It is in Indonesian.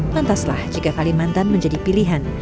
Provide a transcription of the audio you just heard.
lantaslah jika kalimantan menjadi pilihan